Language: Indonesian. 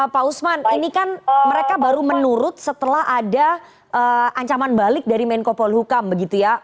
pak usman ini kan mereka baru menurut setelah ada ancaman balik dari menko polhukam begitu ya